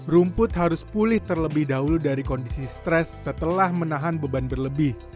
rumput harus pulih terlebih dahulu dari kondisi stres setelah menahan beban berlebih